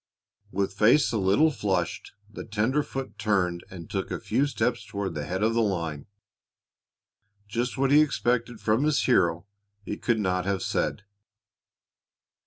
With face a little flushed, the tenderfoot turned and took a few steps toward the head of the line. Just what he expected from his hero he could not have said.